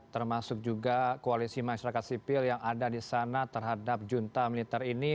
termasuk juga koalisi masyarakat sipil yang ada di sana terhadap junta militer ini